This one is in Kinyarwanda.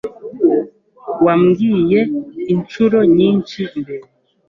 Wambwiye inshuro nyinshi mbere.